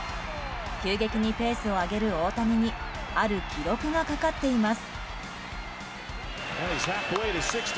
急激にペースを上げる大谷にある記録がかかっています。